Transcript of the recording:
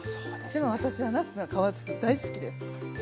でも私はなすの皮つき大好きです。